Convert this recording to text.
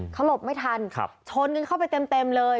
เขาหลบไม่ทันครับชนกันเข้าไปเต็มเต็มเลย